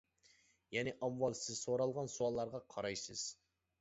يەنى ئاۋۋال سىز سورالغان سوئاللارغا قارايسىز.